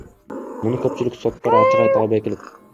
Муну көпчүлүк соттор ачык айта албай келет.